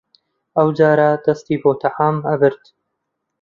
ئەوجارە دەستی بۆ تەعام ئەبرد